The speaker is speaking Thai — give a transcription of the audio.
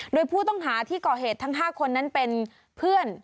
โดยผู้ต้องหาที่ก่อเหตุทั้ง๕คนนั้นเป็นเพื่อน